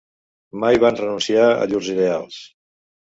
Mai van renunciar a llurs ideals.